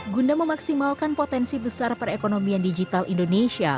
guna memaksimalkan potensi besar perekonomian digital indonesia